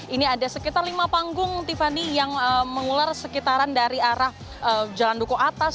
ini ada sekitar lima panggung tiffany yang mengular sekitaran dari arah jalan duku atas